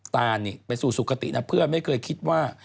ตานนี่ไปสู่สุขตินะเพื่อนไม่เคยคิดว่า